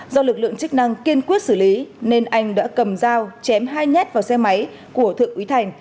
do lực lượng chức năng kiên quyết xử lý nên anh đã cầm dao chém hai nhát vào xe máy của thượng úy thành